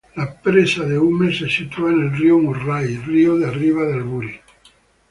La presa de Hume se sitúa en el río Murray, río arriba de Albury.